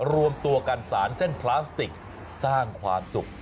รวมตัวกันสารเส้นพลาสติกสร้างความสุข